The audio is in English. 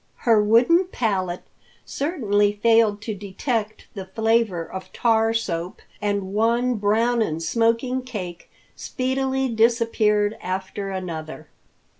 Her wooden palate certainly failed to detect the flavor of tar soap, and one brown and smoking cake speedily disappeared after another.